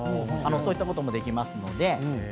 そういったこともできますので。